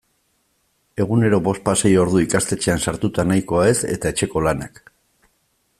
Egunero bospasei ordu ikastetxean sartuta nahikoa ez eta etxeko lanak.